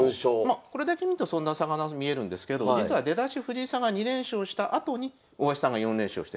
これだけ見るとそんな差がなく見えるんですけど実は出だし藤井さんが２連勝したあとに大橋さんが４連勝してんですよ。